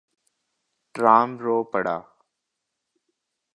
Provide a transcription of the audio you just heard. Tom रो पड़ा।